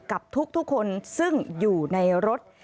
กับทุกคนซึ่งอยู่ในรถ